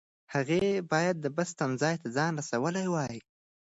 هغې باید د بس تمځای ته ځان رسولی وای.